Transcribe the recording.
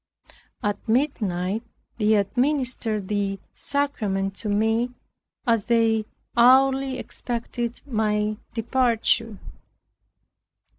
At midnight they administered the sacrament to me as they hourly expected my departure.